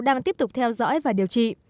đang tiếp tục theo dõi và điều trị